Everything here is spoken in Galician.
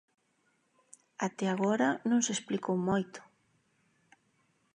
Até agora non se explicou moito.